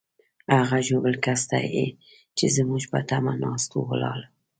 هغه ژوبل کس ته چې زموږ په تمه ناست وو، ولاړو.